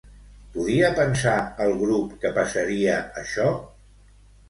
Podia pensar el grup que passaria això?